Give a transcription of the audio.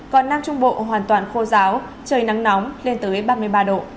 còn nam trung bộ hoàn toàn khô giáo trời nắng nóng lên tới ba mươi ba độ